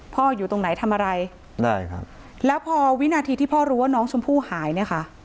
อยู่ตรงไหนทำอะไรได้ครับแล้วพอวินาทีที่พ่อรู้ว่าน้องชมพู่หายเนี่ยค่ะ